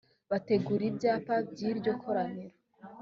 bategura ibyapa by’ iryo koraniro